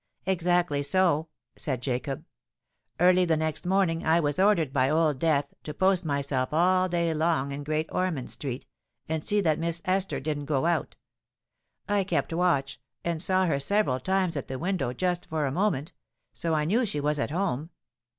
"Exactly so," said Jacob. "Early the next morning I was ordered by Old Death to post myself all day long in Great Ormond Street, and see that Miss Esther didn't go out. I kept watch, and saw her several times at the window just for a moment: so I knew she was at home.